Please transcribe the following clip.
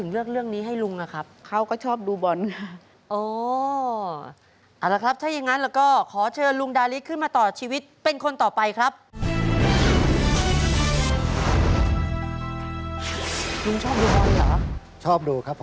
เลือกในเรื่องฟุตบอลนะครับ